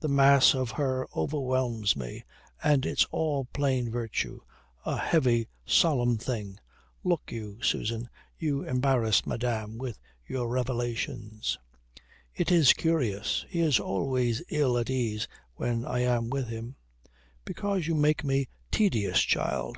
The mass of her overwhelms me, and it's all plain virtue a heavy, solemn thing. Look you, Susan, you embarrass madame with your revelations." "It is curious. He is always ill at ease when I am with him." "Because you make me tedious, child."